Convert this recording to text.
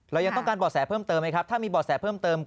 เรายังต้องการบ่อแสเพิ่มเติมไหมครับถ้ามีบ่อแสเพิ่มเติม